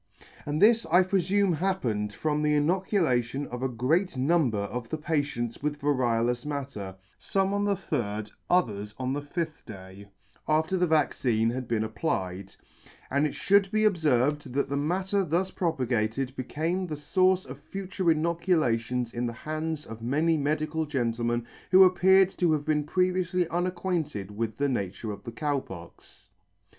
And this I prefume happened from the inoculation of a great number of the patients with variolous matter (fome on the third, others on the fifth day) after the vaccine had been applied ; and it fhould be obferved, that the matter thus propagated became the fource of future inoculations' in the hands of many medical gentlemen who appeared to have been previoufly unacquainted with the nature of the Cow Pox.